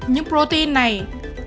những protein này tương đồng trên mọi tế bào